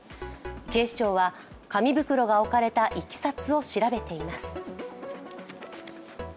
警視庁は、紙袋が置かれたいきさつを調べています。